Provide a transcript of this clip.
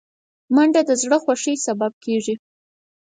منډه د زړه خوښۍ سبب کېږي